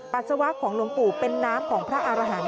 ปัสสาวะของหลวงปู่เป็นน้ำของพระอารหันธ